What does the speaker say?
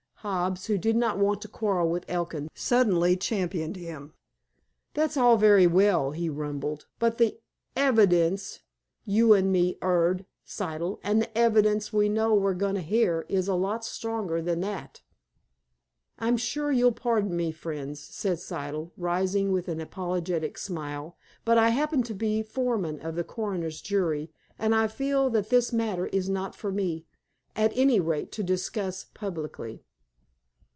Hobbs, who did not want to quarrel with Elkin, suddenly championed him. "That's all very well," he rumbled. "But the hevidence you an' me 'eard, Siddle, an' the hevidence we know we're goin' to 'ear, is a lot stronger than that." "I'm sure you'll pardon me, friends," said Siddle, rising with an apologetic smile, "but I happen to be foreman of the coroner's jury, and I feel that this matter is not for me, at any rate, to discuss publicly."